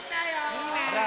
いいね。